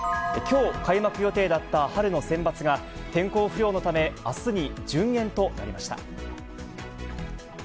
きょう開幕予定だった春のセンバツが、天候不良のため、あすに順延となりました。